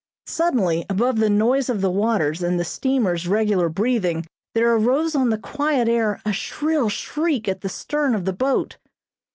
Suddenly above the noise of the waters and the steamer's regular breathing there arose on the quiet air a shrill shriek at the stern of the boat.